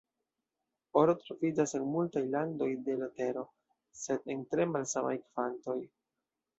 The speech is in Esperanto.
Oro troviĝas en multaj landoj de la Tero, sed en tre malsamaj kvantoj.